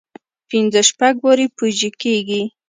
پنځه شپږ وارې پوجي کېږي.